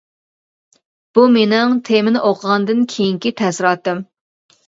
بۇ مېنىڭ تېمىنى ئوقۇغاندىن كېيىنكى تەسىراتىم.